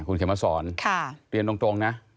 คุณเขมสรเรียนตรงนะ